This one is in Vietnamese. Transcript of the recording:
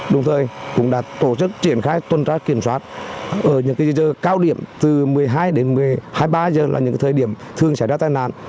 đồng thời cũng đã tổ chức triển khai tuân trách kiểm soát ở những cái giờ cao điểm từ một mươi hai đến hai mươi ba giờ là những cái thời điểm thường xảy ra tai nạn